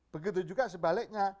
begitu juga sebaliknya